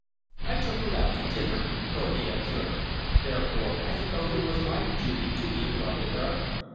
"I took her out to dinner," Norgate observed. "Therefore I suppose it was my duty to be in love with her."